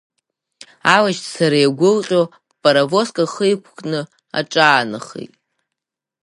Алашьцара иагәлҟьо, паровозк ахы иқәкны аҿаанахеит.